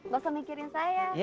gak usah mikirin saya